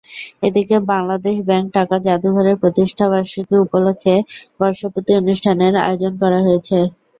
এদিকে বাংলাদেশ ব্যাংক টাকা জাদুঘরের প্রতিষ্ঠাবার্ষিকী উপলক্ষে বর্ষপূতি অনুষ্ঠানের আয়োজন করা হয়েছে।